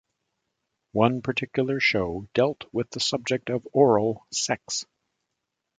One particular show dealt with subject of oral sex.